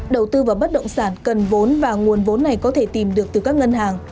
đầu tư vào bất động sản cần vốn và nguồn vốn này có thể tìm được từ các ngân hàng